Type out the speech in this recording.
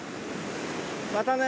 またね